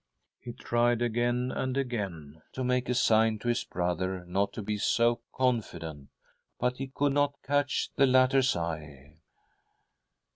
He. tried again and again to make a sign to his brother not to be so confident, but he could not catch the latter's eye.